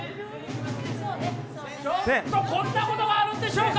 ちょっとこんなことがあるんでしょうか。